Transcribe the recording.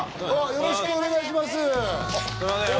よろしくお願いします